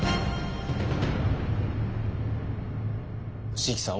椎木さん